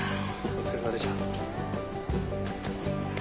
お疲れさまでした。